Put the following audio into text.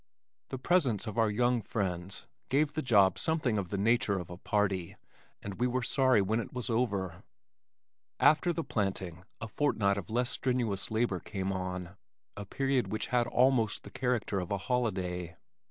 The presence of our young friends gave the job something of the nature of a party and we were sorry when it was over. After the planting a fortnight of less strenuous labor came on, a period which had almost the character of a holiday.